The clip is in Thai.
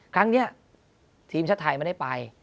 ครั้งนี้ทีมชาติไทยไม่ได้ไป